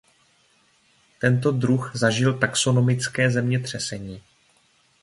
Tento druh zažil taxonomické zemětřesení.